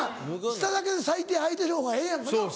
下だけ最低はいてる方がええやんかなっ。